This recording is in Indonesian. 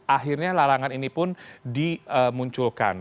akhirnya larangan ini pun dimunculkan